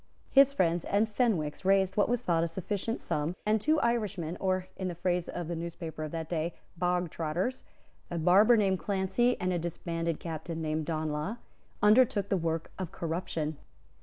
His friends and Fenwick's raised what was thought a sufficient sum; and two Irishmen, or, in the phrase of the newspapers of that day, bogtrotters, a barber named Clancy, and a disbanded captain named Donelagh, undertook the work of corruption.